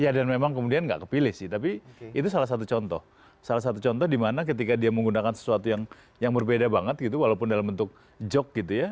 ya dan memang kemudian nggak kepilih sih tapi itu salah satu contoh salah satu contoh dimana ketika dia menggunakan sesuatu yang berbeda banget gitu walaupun dalam bentuk joke gitu ya